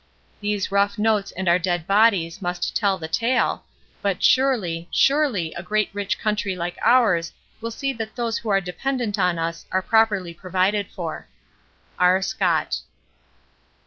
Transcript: These rough notes and our dead bodies must tell the tale, but surely, surely, a great rich country like ours will see that those who are dependent on us are properly provided for. R. SCOTT.